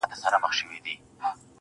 o خدای زموږ معبود دی او رسول مو دی رهبر.